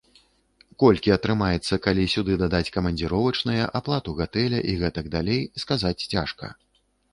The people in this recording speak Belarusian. Колькі атрымаецца, калі сюды дадаць камандзіровачныя, аплату гатэля і гэтак далей, сказаць цяжка.